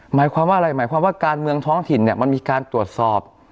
หมายความว่าอะไรหมายความว่าการเมืองท้องถิ่นเนี่ยมันมีการตรวจสอบ